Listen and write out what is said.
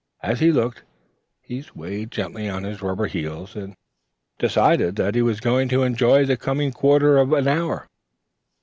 As he looked he swayed gently on his rubber heels and decided that he was going to enjoy the coming quarter of an hour.